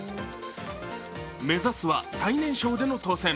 目指すは最年少での当選。